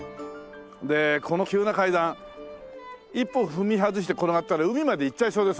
でこの急な階段一歩踏み外して転がったら海まで行っちゃいそうですもんね。